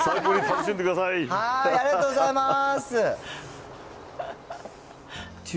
ありがとうございます。